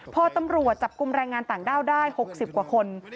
พอตำรวจจับกลุ่มแรงงานต่างด้าวได้๖๐กว่าคน